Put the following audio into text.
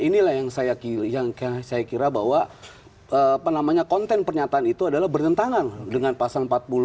inilah yang saya kira bahwa konten pernyataan itu adalah bertentangan dengan pasal empat puluh lima